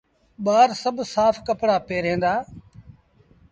ٻآر سڀ سآڦ ڪپڙآ پهري ائيٚݩ دآ۔